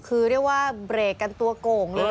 คือเรียกว่าเบรกกันตัวโก่งเลย